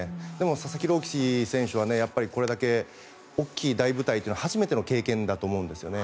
佐々木朗希選手はやっぱり、これだけ大きい大舞台は初めての経験だと思うんですよね。